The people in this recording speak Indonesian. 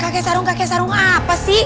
kt sarung kt sarung apa sih